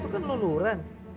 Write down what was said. itu kan luluran